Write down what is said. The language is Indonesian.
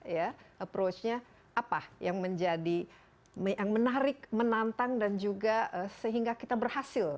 ya approach nya apa yang menjadi yang menarik menantang dan juga sehingga kita berhasil